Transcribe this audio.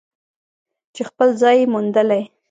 چې خپل ځای یې موندلی.